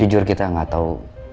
cuma jujur kita gak tau